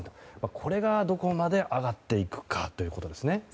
これがどこまで上がっていくかということですね。